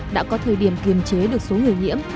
đã có thời điểm kiềm chế được số người nhiễm